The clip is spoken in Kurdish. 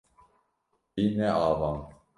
Wî neavand.